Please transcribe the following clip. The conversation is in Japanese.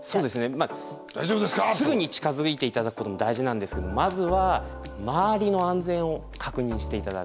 まあすぐに近づいて頂くことも大事なんですけどまずは周りの安全を確認して頂く。